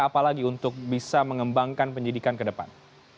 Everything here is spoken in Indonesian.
apalagi untuk bisa mengembangkan penyidikan ke depan